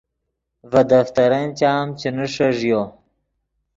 ڤے دفترن چام چے نیݰݱیو